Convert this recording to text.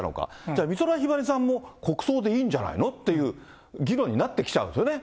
じゃあ、美空ひばりさんも国葬でいいんじゃないのっていう議論になってきちゃうんですよね。